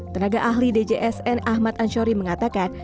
tenaga ahli djsn ahmad anshori mengatakan